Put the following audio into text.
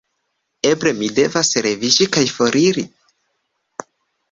Eble mi devas leviĝi kaj foriri?